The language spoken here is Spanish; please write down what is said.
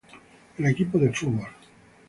El equipo de fútbol St.